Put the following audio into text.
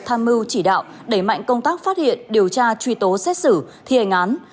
tham mưu chỉ đạo đẩy mạnh công tác phát hiện điều tra truy tố xét xử thi hành án